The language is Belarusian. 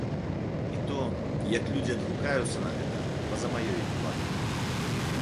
І то, як людзі адгукаюцца на гэта, па-за маёй уладай.